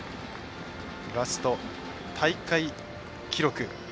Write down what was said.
ラスト、大会記録。